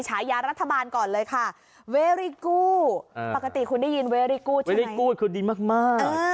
ฉายารัฐบาลก่อนเลยค่ะเอ่อปกติคุณได้ยินคือดีมากมากเออ